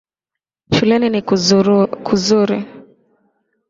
Shuleni ni kuzuri